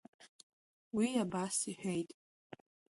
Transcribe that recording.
Уи абас иҳәеит…